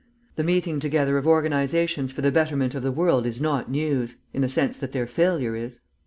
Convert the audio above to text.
The meeting together of organisations for the betterment of the world is not News, in the sense that their failure is.